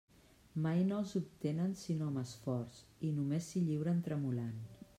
Mai no els obtenen sinó amb esforç i només s'hi lliuren tremolant.